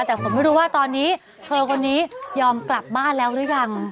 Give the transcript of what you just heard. แต่ผมไม่รู้ว่าตอนนี้เธอคนนี้ยอมกลับบ้านแล้วหรือยัง